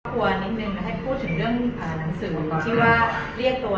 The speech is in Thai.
กลัวนิดนึงนะคะพูดถึงเรื่องหนังสือที่ว่าเรียกตัว